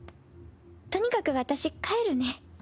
とにかく私帰るね。